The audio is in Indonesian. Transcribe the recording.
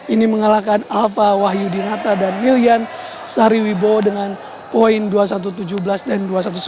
ini mengalahkan alfa wahyu dinata dan lilian sariwibo dengan poin dua satu ratus tujuh belas dan dua sembilan belas